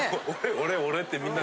俺俺ってみんな。